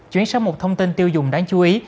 chuyển sang một thông tin tiêu dùng đáng chú ý